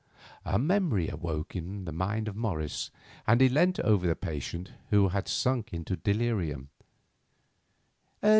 A memory awoke in the mind of Morris, and he leant over the patient, who again had sunk into delirium.